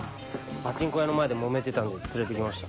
パチンコ屋の前でもめてたんで連れて来ました。